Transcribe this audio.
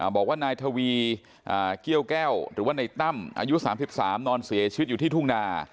บอกว่านายทวีเกี้ยวแก้วหรือว่าในตั้มอายุ๓๓นอนเสียชีวิตอยู่ที่ทุ่งนา